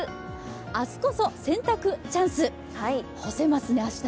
明日こそ洗濯チャンス、干せますね明日は。